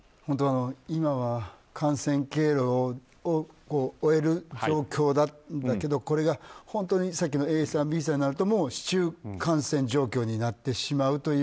今は感染経路を追える状況だけどこれが本当にさっきのＡさん、Ｂさんになると市中感染状況になってしまうという。